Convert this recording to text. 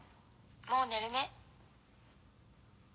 もう寝るね。